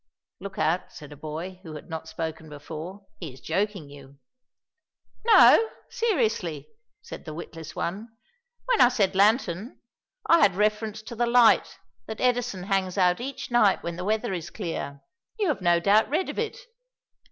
"Look out," said a boy who had not spoken before, "he is joking you." "No, seriously," said the Witless One, "when I said 'lantern' I had reference to the light that Edison hangs out each night when the weather is clear you have no doubt read of it.